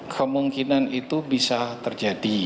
kemungkinan itu bisa terjadi